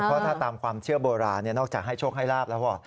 เพราะถ้าตามความเชื่อโบราณนอกจากให้โชคให้ลาบแล้ว